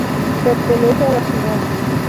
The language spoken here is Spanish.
Pertenece a la ciudad.